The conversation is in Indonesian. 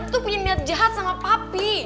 tuh punya niat jahat sama papi